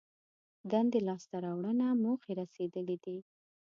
دندې لاس ته راوړنه موخې رسېدلي دي.